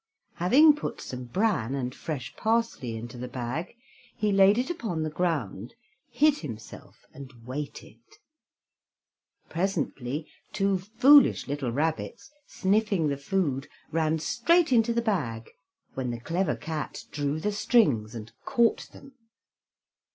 Having put some bran and fresh parsley into the bag, he laid it upon the ground, hid himself, and waited. Presently two foolish little rabbits, sniffing the food, ran straight into the bag, when the clever cat drew the strings and caught them.